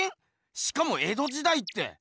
しかも江戸時代って。